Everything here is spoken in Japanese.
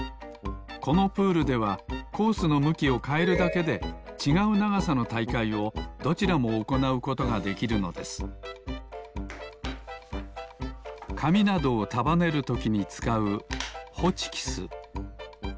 このプールではコースのむきをかえるだけでちがうながさのたいかいをどちらもおこなうことができるのですかみなどをたばねるときにつかうホチキス。